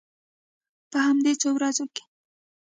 په همدې څو ورځو کې.